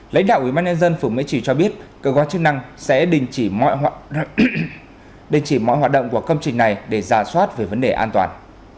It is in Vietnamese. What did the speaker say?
các ủy ban nhân dân phủ mễ trì cho biết cơ quan chức năng sẽ đình chỉ mọi hoạt động của công trình này để ra soát về vấn đề an toàn